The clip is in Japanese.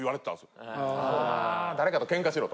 誰かとケンカしろと。